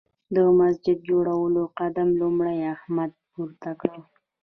د مسجد جوړولو قدم لومړی احمد پورته کړ.